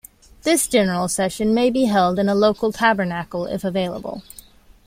This general session may be held in a local tabernacle if available.